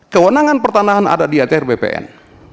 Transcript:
kewenangan pertanahan ada di atr bpn